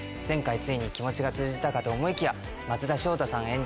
前回ついに気持ちが通じたかと思いきや松田翔太さん